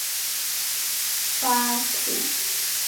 大蒙古国普颜笃汗硕德八剌。